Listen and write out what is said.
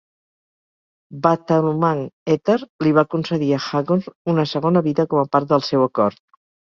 Bathalumang Ether li va concedir a Hagorn una segona vida com a part del seu acord.